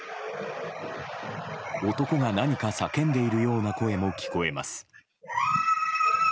男が何か叫んでいるような声も聞こえます。